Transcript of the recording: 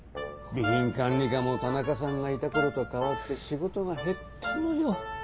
備品管理課も田中さんがいた頃と変わって仕事が減ったのよ。